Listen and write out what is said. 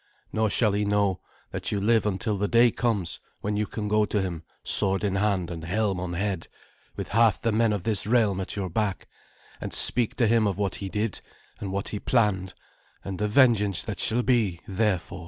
Nor shall he know that you live until the day comes when you can go to him sword in hand and helm on head, with half the men of this realm at your back, and speak to him of what he did and what he planned, and the vengeance that shall be therefor."